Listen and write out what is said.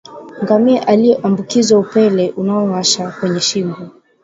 Ngamia aliyeambukizwa upele unaowasha kwenye shingo